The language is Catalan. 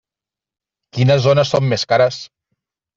Quines zones són més cares?